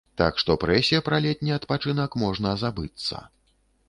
Так што прэсе пра летні адпачынак можна забыцца.